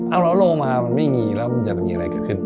เอาแล้วลงมามันไม่มีแล้วมันจะมีอะไรเกิดขึ้น